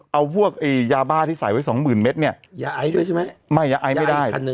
เอาพวกยาบ้าที่ใส่ไว้สองหมื่นเมตรเนี่ยยาไอด้วยใช่ไหมไม่ยาไอไม่ได้